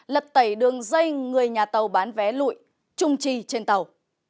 lật tẩy đường dây người nhà tàu bán vé lụi trung trì trên tàu